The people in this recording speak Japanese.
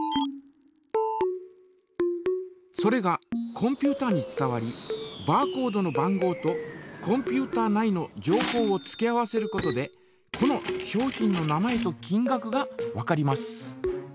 それがコンピュータに伝わりバーコードの番号とコンピュータ内の情報を付け合わせることでこの商品の名前と金がくがわかります。